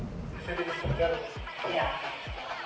di sini disuruh bergerak